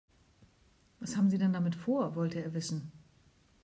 Was haben Sie denn damit vor?, wollte er wissen.